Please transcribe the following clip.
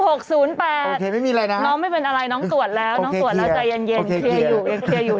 โอเคไม่มีอะไรนะน้องสวดแล้วน้องสวดแล้วใจเย็นเย็น